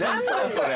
それ。